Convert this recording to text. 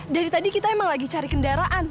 dari tadi kita emang lagi cari kendaraan